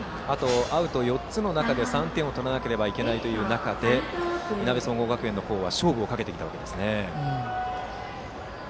アウト４つの中で３点を取らなければいけないという中でいなべ総合学園の方は勝負をかけてきたわけですね。